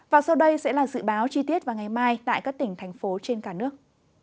và sau đây sẽ là dự báo chi tiết vào ngày mai tại các tỉnh thành phố trên cả nước